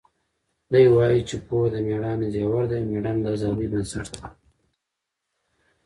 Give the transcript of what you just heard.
دی وایي چې پوهه د مېړانې زیور دی او مېړانه د ازادۍ بنسټ دی.